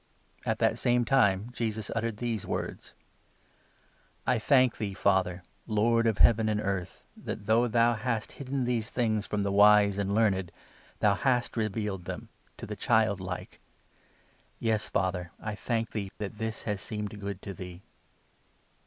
The At that same time Jesus uttered the words : 25 chiid iike " I thank thee, Father, Lord of Mind. Heaven and earth, that, though thou hast hidden these things from the wise and learned, thou hast revealed them to the child like ! Yes, Father, 26 I thank thee that this has seemed good to thee.